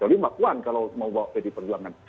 jadi bapak puan kalau mau bawa pdi perjuangan